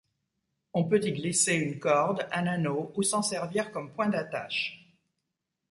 On peut y glisser une corde, un anneau ou s'en servir comme point d'attache.